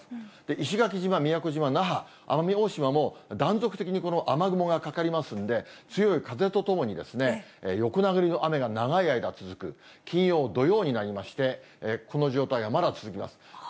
石垣島、宮古島、那覇、奄美大島も、断続的にこの雨雲がかかりますんで、強い風とともに横殴りの雨が長い間続く、金曜、土曜になりまして、この状態がまだ続きます。